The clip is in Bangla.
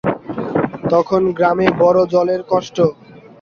তখন গ্রামে বড় জলের কষ্ট।